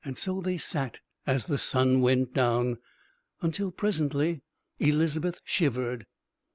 So they sat as the sun went down. Until presently Elizabeth shivered.